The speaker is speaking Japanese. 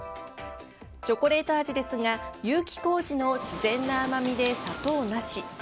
チョコレート味ですが有機麹の自然な甘みで砂糖なし。